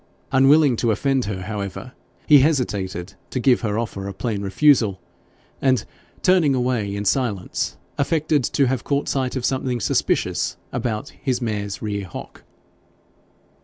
Unwilling to offend her, however, he hesitated to give her offer a plain refusal, and turning away in silence, affected to have caught sight of something suspicious about his mare's near hock.